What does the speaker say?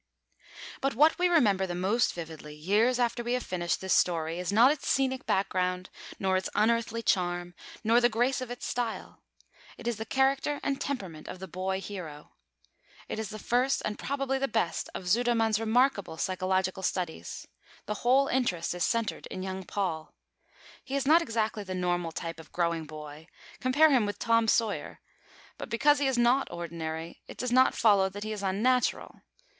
But what we remember the most vividly, years after we have finished this story, is not its scenic background, nor its unearthly charm, nor the grace of its style; it is the character and temperament of the boy hero. It is the first, and possibly the best, of Sudermann's remarkable psychological studies. The whole interest is centred in young Paul. He is not exactly the normal type of growing boy, compare him with Tom Sawyer! but because he is not ordinary, it does not follow that he is unnatural.